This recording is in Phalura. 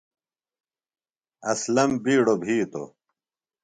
اسلم بِیڈوۡ بِھیتوۡ ۔